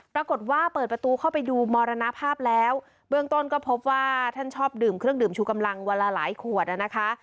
ปรากฏว่าเปิดประตูเข้าไปดูมรณภาพแล้วเบื้องต้นก็พบว่าท่านชอบดื่มเครื่องดื่มชูกำลังวันละหลายขวดอ่ะนะคะ